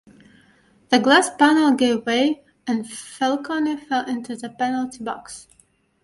The glass panel gave way, and Falcone fell into the penalty box.